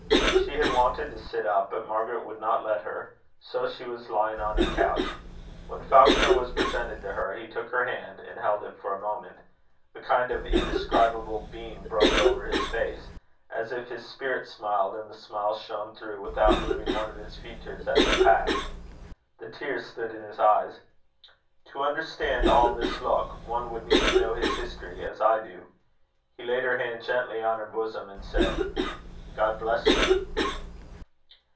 She had wanted to sit up, but Margaret would not let her; so she was lying on her couch. When Falconer was presented to her, he took her hand, and held it for a moment. A kind of indescribable beam broke over his face, as if his spirit smiled and the smile shone through without moving one of his features as it passed. The tears stood in his eyes. To understand all this look, one would need to know his history as I do. He laid her hand gently on her bosom, and said: "God bless you!"